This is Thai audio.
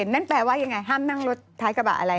นั่นแปลว่ายังไงห้ามนั่งรถท้ายกระบะอะไร